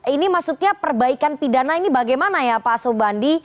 ini maksudnya perbaikan pidana ini bagaimana ya pak sobandi